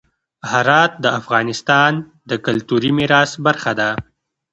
هرات د افغانستان د کلتوري میراث برخه ده.